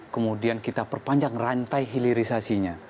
kemudian kita perpanjang rantai hilirisasinya